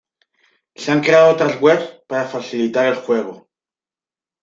Se han creado otras webs para facilitar el juego.